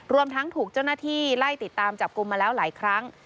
รวมทั้งถูกเจ้าหน้าที่ไล่ติดตามจับกลุ่มมาแล้วหลายครั้ง